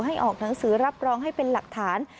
ออกหนังสือรับรองให้เป็นหลักฐาน